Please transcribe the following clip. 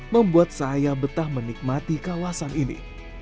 membuat saya betah menikmati kawasan ini